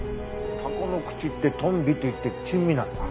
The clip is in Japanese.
タコの口ってトンビといって珍味なんだ。